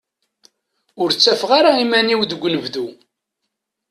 Ur ttafeɣ ara iman-iw deg unebdu.